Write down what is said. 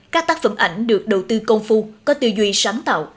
các tác phẩm ảnh được đầu tư công phu có tư duy sáng tạo